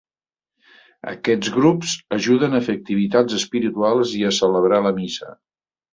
Aquests grups ajuden a fer activitats espirituals i a celebrar la missa.